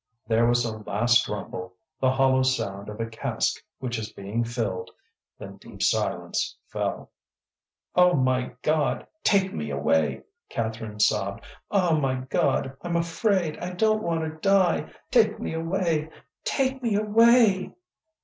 There was a last rumble, the hollow sound of a cask which is being filled; then deep silence fell. "Oh, my God! take me away!" Catherine sobbed. "Ah, my God! I'm afraid; I don't want to die. Take me away! take me away!"